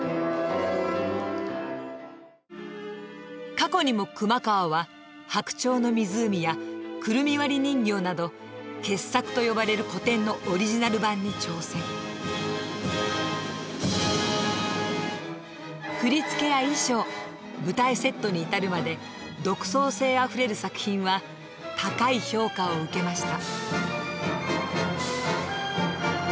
過去にも熊川は「白鳥の湖」や「くるみ割り人形」など傑作と呼ばれる古典のオリジナル版に挑戦振り付けや衣装舞台セットに至るまで独創性あふれる作品は高い評価を受けました